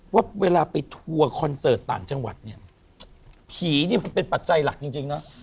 ว่าเวลาไปทัวร์คอนเสิร์ตต่างจังหวัดเนี่ยผีนี่มันเป็นปัจจัยหลักจริงนะ